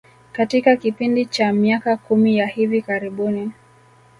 Katika kipindi cha miaka kumi ya hivi karibuni